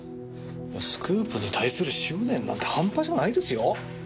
スクープに対する執念なんて半端じゃないですよ。